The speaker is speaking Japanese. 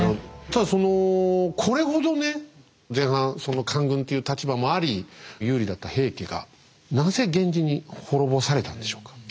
ただそのこれほどね前半その官軍っていう立場もあり有利だった平家がなぜ源氏に滅ぼされたんでしょうか。